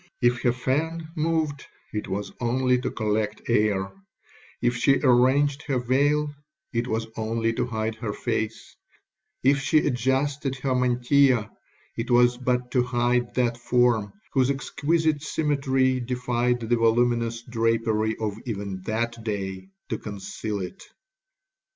If her fan moved, it was only to collect air—if she arranged her veil, it was only to hide her face—if she adjusted her mantilla, it was but to hide that form, whose exquisite symmetry defied the voluminous drapery of even that day to conceal it.